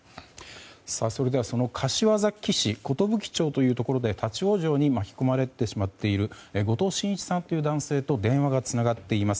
それでは柏崎市寿町というところで立ち往生に巻き込まれてしまっている後藤慎一さんという男性と電話がつながっています。